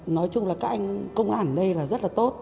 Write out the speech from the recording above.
nói chung là các anh công an ở đây là rất là tốt